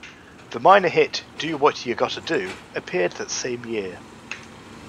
The minor hit "Do What You Gotta Do" appeared that same year.